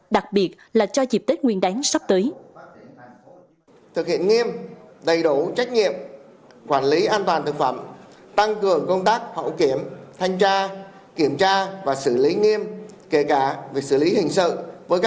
đặc biệt là cho dịp tết nguyên đáng sắp tới